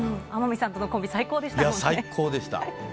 天海さんとのコンビ、最高で最高でした。